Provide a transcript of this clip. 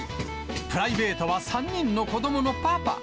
プライベートは３人の子どものパパ。